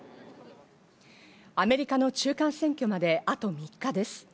アメリカの中間選挙まであと３日です。